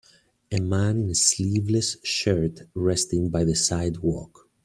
A man in a sleeveless shirt resting by the sidewalk.